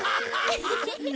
フフフッ。